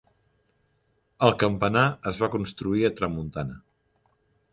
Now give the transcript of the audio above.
El campanar es va construir a tramuntana.